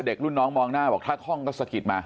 รุ่นน้องมองหน้าบอกถ้าคล่องก็สะกิดมา